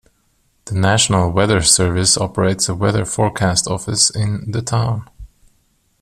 The National Weather Service operates a Weather Forecast Office in the town.